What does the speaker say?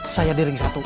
saya di ring satu